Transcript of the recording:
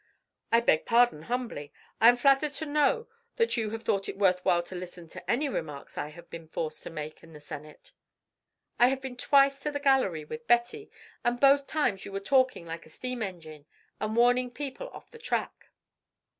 "I beg pardon humbly. I am flattered to know that you have thought it worth while to listen to any remarks I may have been forced to make in the Senate." "I have been twice to the gallery with Betty, and both times you were talking like a steam engine and warning people off the track."